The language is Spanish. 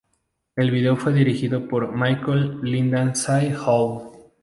El vídeo fue dirigido por Michael Lindsay-Hogg.